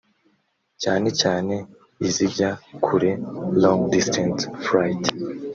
cyane cyane izijya kure (long-distance flights)